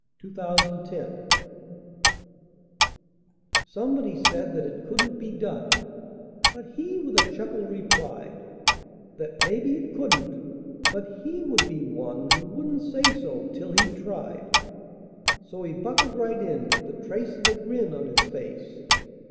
37 It Couldn't Be Done Somebody said that it couldn't be done, But he with a chuckle replied That "maybe it couldn't," but he would be one Who wouldn't say so till he'd tried. So he buckled right in with the trace of a grin On his face.